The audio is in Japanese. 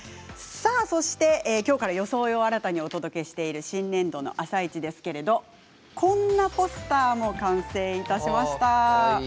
そしてきょうから装いを新たにお届けしている新年度の「あさイチ」ですけれどこんなポスターも完成いたしました。